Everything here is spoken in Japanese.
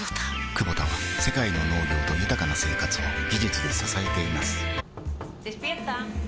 クボタは世界の農業と豊かな生活を技術で支えています起きて。